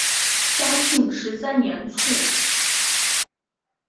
嘉庆十三年卒。